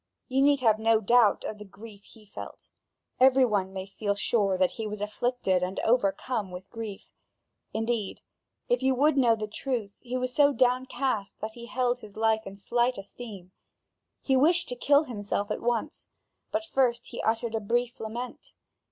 You need have no doubt of the grief he felt; every one may feel sure that he was afflicted and overcome with grief. Indeed, if you would know the truth, he was so downcast that he held his life in slight esteem. He wished to kill himself at once, but first he uttered a brief lament.